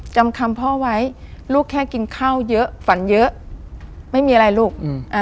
จำคำพ่อไว้ลูกแค่กินข้าวเยอะฝันเยอะไม่มีอะไรลูก